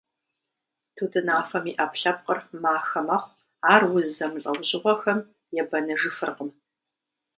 Тутынафэм и Ӏэпкълъэпкъыр махэ мэхъу, ар уз зэмылӀэужьыгъуэхэм ебэныжыфыркъым.